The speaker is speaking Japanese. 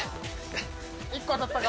１個当たったか。